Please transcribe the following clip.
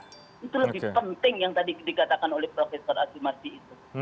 itu lebih penting yang tadi dikatakan oleh profesor asimasi itu